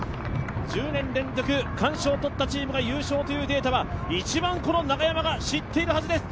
１０年連続、区間賞を取ったチームが優勝ということは一番、この中山が知っているはずです。